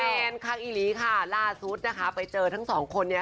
แมนคางอิริลาซุทไปเจอทั้ง๒คนนี้